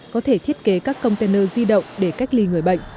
có thể thiết kế các container di động để cách ly người bệnh